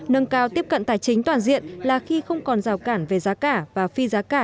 nâng cao tiếp cận tài chính toàn diện là khi không còn rào cản về giá cả và phi giá cả